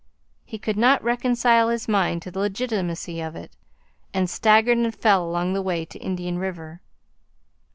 He could not reconcile his mind to the legitimacy of it, and staggered and fell along the way to Indian River.